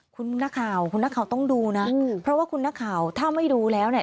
คุณนักข่าวคุณนักข่าวต้องดูนะเพราะว่าคุณนักข่าวถ้าไม่ดูแล้วเนี่ย